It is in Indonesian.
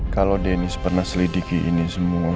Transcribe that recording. kalau deniz pernah selidiki ini semua